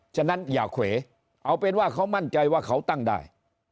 ฉะนั้นอย่าเขวเอาเป็นว่าเขามั่นใจว่าเขาตั้งได้